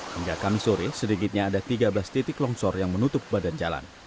hingga kamis sore sedikitnya ada tiga belas titik longsor yang menutup badan jalan